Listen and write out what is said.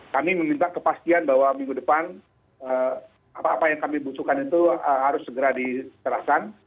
kami meminta kepastian bahwa minggu depan apa apa yang kami butuhkan itu harus segera diserahkan